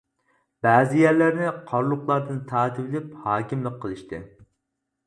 بەزى يەرلەرنى قارلۇقلاردىن تارتىۋېلىپ ھاكىملىق قىلىشتى.